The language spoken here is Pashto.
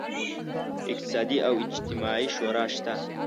اقتصادي او اجتماعي شورا شته.